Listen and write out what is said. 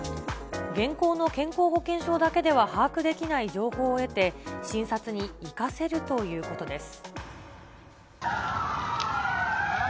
現行の健康保険証だけでは把握できない情報を得て、診察に生かせるということです。